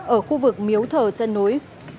ở khu vực miếu thở chân núi